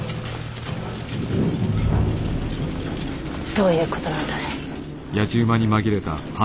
どういうことなんだい？